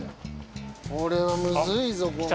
これはむずいぞ今回。